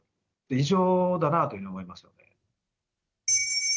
異常だなというふうに思います。